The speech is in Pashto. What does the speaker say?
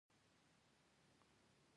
د هغه رول په کورنیو جګړو کې توپیر لري